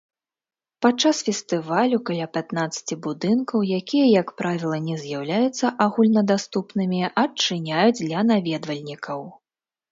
Падчас фестывалю каля пятнаццаці будынкаў, якія як правіла не з'яўляюцца агульнадаступнымі, адчыняюць для наведвальнікаў.